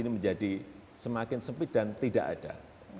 ini menjadi semakin sempit dan tidak ada